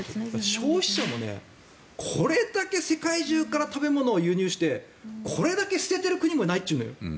消費者も、これだけ世界中から食べ物を輸入してこれだけ捨ててる国はないというのよ。